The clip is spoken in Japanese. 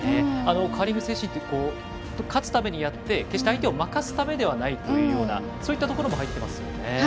カーリング精神って勝つためにやって決して相手を負かすためではないといったようなそういったところも入っていますよね。